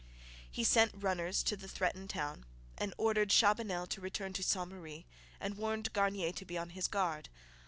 He sent runners to the threatened town, and ordered Chabanel to return to Ste Marie and warned Garnier to be on his guard.